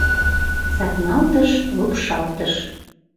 Сапналтыш — лупшалтыш.